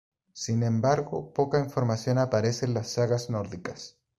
Sin embargo, poca información aparece en las sagas nórdicas.